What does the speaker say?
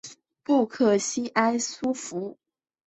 布克西埃苏弗鲁瓦德蒙。